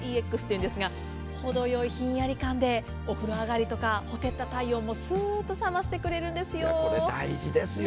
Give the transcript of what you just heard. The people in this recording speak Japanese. ほどよいひんやり感でお風呂上がりとか、ほてった体温もスーっと冷ましてくれるんですよ。